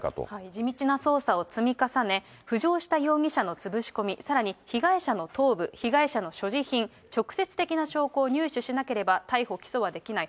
地道な捜査を積み重ね、浮上した容疑者の潰し込み、さらに被害者の頭部、被害者の所持品、直接的な証拠を入手しなければ、逮捕・起訴はできない。